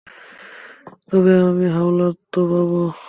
তবে আমি হাওলাত তো পাবো?